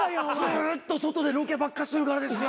ずっと外でロケばっかしてるからですよ。